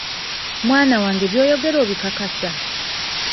Mwana wange by'oyogera obikakasa?